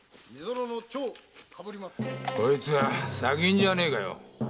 こいつは砂金じゃねえかよ。